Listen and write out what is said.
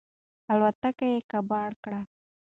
الوتکې یې کباړ کړې.